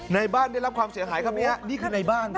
ในบ้านได้รับความเสียหายครับเนี่ยนี่คือในบ้าน